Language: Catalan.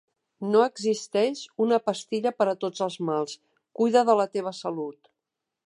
No existeix una pastilla per a tots els mals, cuida de la teva salut.